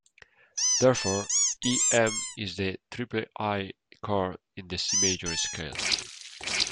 Therefore, Em is the iii chord in the C major scale.